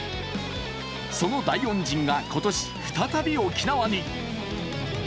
その大恩人が今年、再び沖縄に。